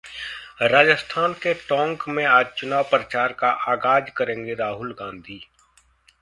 राजस्थान के टोंक में आज चुनाव प्रचार का आगाज करेंगे राहुल गांधी